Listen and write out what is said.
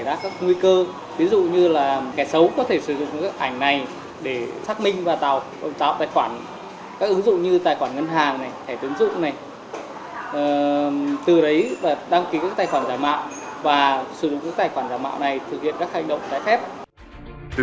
các ứng dụng như tài khoản ngân hàng thẻ tướng dụng từ đấy đăng ký các tài khoản giải mạo và sử dụng các tài khoản giải mạo này thực hiện các hành động giải phép